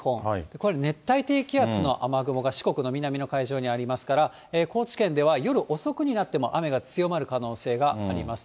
これ、熱帯低気圧の雨雲が四国の南の海上にありますから、高知県では夜遅くになっても雨が強まる可能性があります。